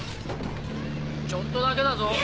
ちょっとだけだぞ